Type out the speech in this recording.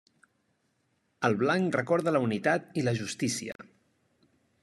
El blanc recorda la unitat i la justícia.